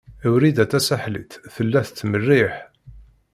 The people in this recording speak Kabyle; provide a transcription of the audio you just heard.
Wrida Tasaḥlit tella tettmerriḥ.